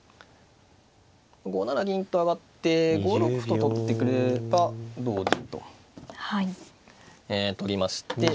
５七銀と上がって５六歩と取ってくれば同銀と取りまして。